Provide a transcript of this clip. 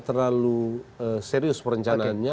terlalu serius perencanaannya